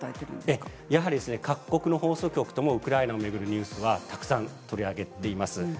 やはり各国の放送局でもウクライナを巡るニュースをたくさん取り上げています。